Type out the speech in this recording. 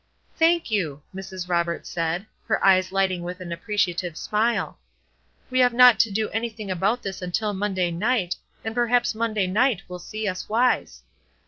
"Thank you!" Mrs. Roberts said, her eyes lighting with an appreciative smile; "we have not to do anything about this until Monday night, and perhaps Monday night will see us wise."